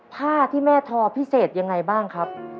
ผ้าที่แม่ทอพิเศษยังไงบ้างครับ